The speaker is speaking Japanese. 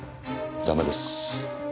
ダメです。